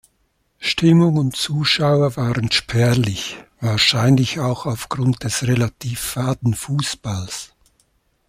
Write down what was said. Stimmung und Zuschauer waren spärlich, wahrscheinlich auch aufgrund des relativ faden Fußballs.